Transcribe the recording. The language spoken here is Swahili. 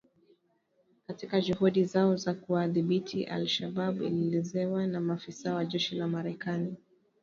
katika juhudi zao za kuwadhibiti al Shabaab ilielezewa na maafisa wa jeshi la Marekani